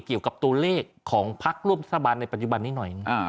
เกี่ยวกับตัวเลขของพักร่วมรัฐบาลในปัจจุบันนี้หน่อย